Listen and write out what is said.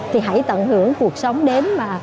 thì hãy tận hưởng cuộc sống đến mà